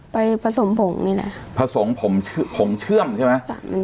ไปผสมผงนี่แหละผสมผงผงเชื่อมใช่ไหม